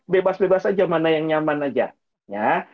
bebas bebas aja mana yang nyaman aja ya